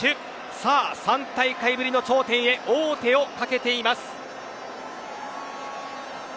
さあ３大会ぶりの頂点へ王手をかけています。